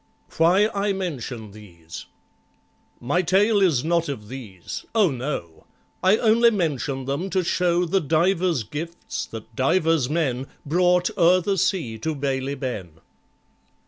Why I mention these My tale is not of these—oh no! I only mention them to show The divers gifts that divers men Brought o'er the sea to BAILEY BEN.